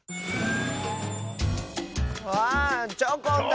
あっチョコンだ！